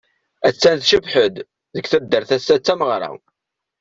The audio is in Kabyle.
Attan tcebbeḥ-d, deg taddart assa d tameɣra.